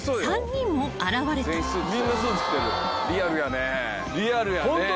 リアルやね。